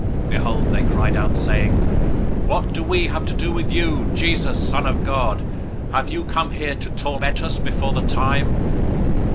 008:029 Behold, they cried out, saying, "What do we have to do with you, Jesus, Son of God? Have you come here to torment us before the time?"